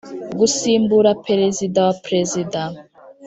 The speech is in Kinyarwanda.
Gusimbura Perezida wa prezida